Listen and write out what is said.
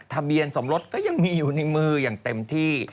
ทะเบียนสมรสก็ยังมีอยู่ในมืออย่างเต็มที่